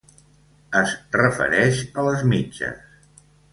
Es refereix a les mitges.